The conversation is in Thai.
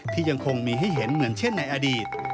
ยังคงมีให้เห็นเหมือนเช่นในอดีต